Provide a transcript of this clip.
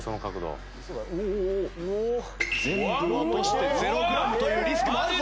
全部落として０グラムというリスクもあるぞ。